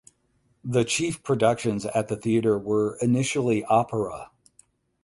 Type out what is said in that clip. The chief productions at the theatre were initially opera.